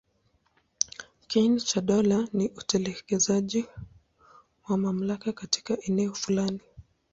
Kiini cha dola ni utekelezaji wa mamlaka katika eneo fulani.